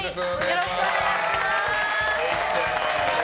よろしくお願いします。